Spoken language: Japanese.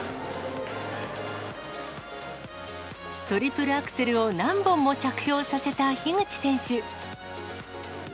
トリプルアクセルを何本も着氷させた樋口選手。